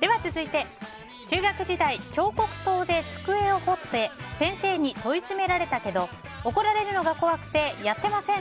では続いて、中学時代彫刻刀で机を彫って先生に問い詰められたけど怒られるのが怖くてやってません！